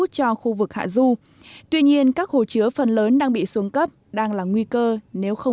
cho khu vực hạ du tuy nhiên các hồ chứa phần lớn đang bị xuống cấp đang là nguy cơ nếu không